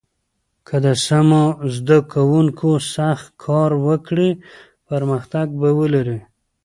که د سمو زده کوونکو سخت کار وکړي، پرمختګ به ولري.